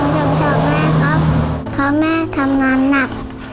ผมชอบแม่ครับเพราะแม่ทำงานหนัก